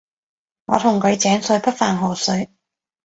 我同佢井水不犯河水